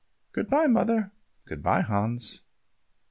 Good bye, mother." "Good bye, Hans."